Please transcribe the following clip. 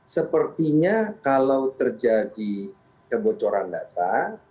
sepertinya kalau terjadi kebocoran data